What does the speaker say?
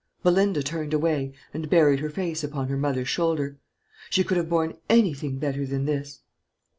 Belinda turned away, and buried her face upon her mother's shoulder. She could have borne anything better than this.